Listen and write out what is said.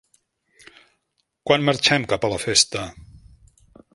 Quan marxem cap a la festa?